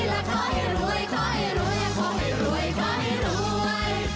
และขอให้รวยขอให้รวยขอให้รวยขอให้รวย